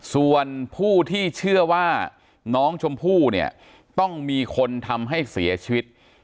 ส่วนผู้ที่เชื่อว่าน้องชมพู่เนี่ยต้องมีคนทำให้เสียชีวิต